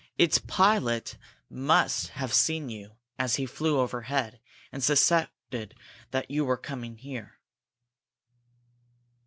Its pilot must have seen you as he flew overhead, and suspected that you were coming here."